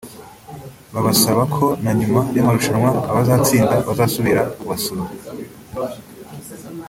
babasaba ko na nyuma y’amarushanwa abazatsinda bazasubira kubasura